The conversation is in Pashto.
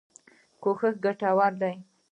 کوښښ ګټور دی.